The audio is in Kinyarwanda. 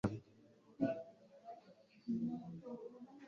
iyo ziko itumura cyane